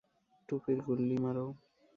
টুপির গুল্লি মারো!